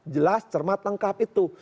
jelas cermat lengkap itu